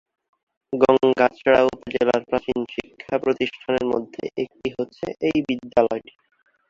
গংগাচড়া উপজেলার প্রাচীন শিক্ষা প্রতিষ্ঠানের মধ্যে একটি হচ্ছে এই বিদ্যালয়টি।